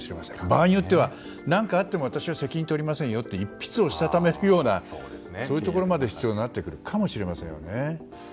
場合によっては、何かあっても私は責任を取りませんよと一筆をしたためるようなことまで必要になってくるかもしれませんよね。